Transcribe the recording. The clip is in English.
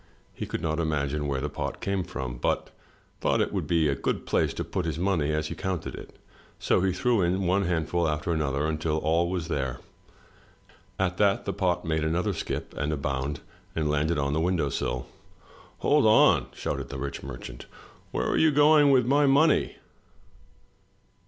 He could not imagine where the pot came from, but thought it would be a good place to put his money as he counted it. So he threw in one handful after another until all was there. At that the pot made another skip and a bound and landed on the window sill. "Hold on!" shouted the rich merchant. Where are you going with my money?